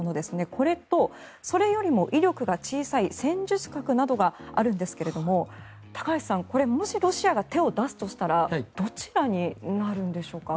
これと、それよりも威力が小さい戦術核などがあるんですが高橋さんもし、ロシアが手を出すとしたらどちらになるんでしょうか。